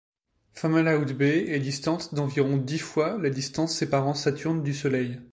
Fomalhaut b est distante d'environ dix fois la distance séparant Saturne du Soleil.